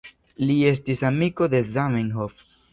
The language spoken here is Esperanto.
Li estis amiko de Zamenhof.